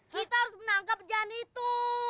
kita harus menangkap jalan itu